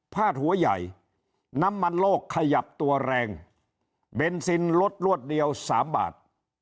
ดหัวใหญ่น้ำมันโลกขยับตัวแรงเบนซินลดรวดเดียว๓บาท